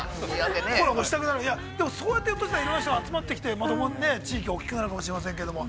◆そうやって、いろいろな人が集まってきて、地域が大きくなるかもしれませんけれども。